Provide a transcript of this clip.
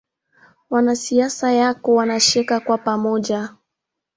Wanasiasa wako wanacheka kwa Pamoja.